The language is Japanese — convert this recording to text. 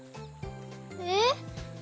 えっ？